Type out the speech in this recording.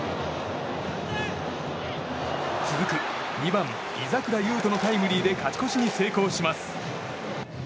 続く２番井櫻悠人のタイムリーで勝ち越しに成功します。